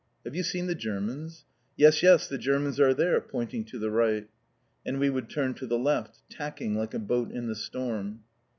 "Have you seen the Germans?" "Yes, yes, the Germans are there," pointing to the right. And we would turn to the left, tacking like a boat in the storm.